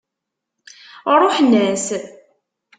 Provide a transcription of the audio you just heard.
Ṛuḥen-as.